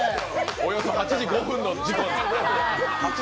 およそ８時５分の事故。